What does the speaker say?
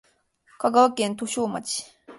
香川県土庄町